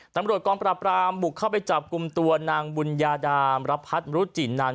ตำรวจกองปราบรามบุกเข้าไปจับกลุ่มตัวนางบุญญาดามรพัฒน์มรุจินัน